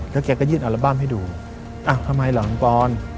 ใช่แล้วแกก็ยืดอัลบั้มให้ดูอ้าทำไมหรอลุงปอน